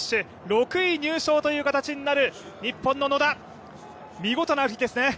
６位入賞という形になる日本の野田見事な歩きですね。